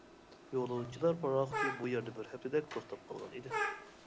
يولۇچىلار پاراخوتى بۇ يەردە بىر ھەپتىدەك توختاپ قالغان ئىدى.